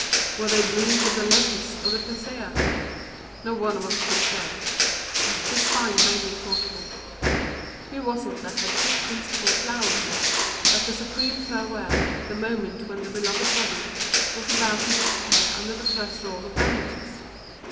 Were they blooms of the lotus or the persea? No one of us could say. This find made me thoughtful. Who was it that had put these poor flowers there, like a supreme farewell, at the moment when the beloved body was about to disappear under the first rolls of bandages?